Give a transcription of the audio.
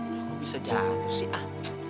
kok bisa jatuh sih